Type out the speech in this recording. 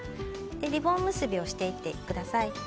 リボン結びをしていってください。